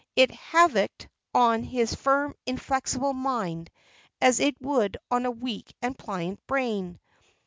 It havocked on his firm inflexible mind, as it would on a weak and pliant brain!